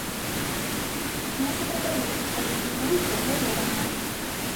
Мяса прадаюць, але ж яно ўсё праверанае.